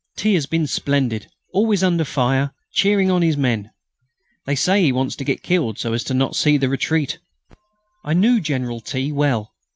T. has been splendid; always under fire, cheering on his men. They say he wants to get killed so as not to see the retreat...." I knew General T. well.